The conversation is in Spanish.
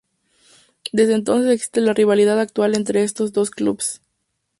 Desde entonces existe la rivalidad actual entre estos dos clubes.